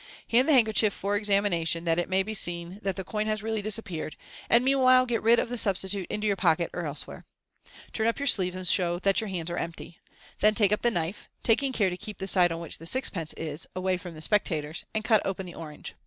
Hand the handkerchief for examination, that it Fig. 8*» 180 MODERN MA GIC. may be seen that the coin has really disappeared, and meanwhile gwt rid of the substitute into your pocket or elsewhere. Turn up your sleeves, and show that your hands are empty. Then take up the knife (taking care to Keep the side on which the sixpence is away from the spectators), and cut open the orange.